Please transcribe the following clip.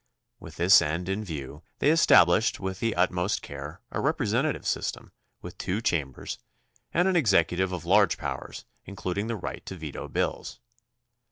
With this end in view they estabhshed with the utmost care a representative system with two chambers and an executive of large powers, including the right to veto bills.